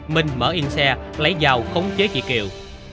minh mở yên xe lấy vào khống chế chị kiều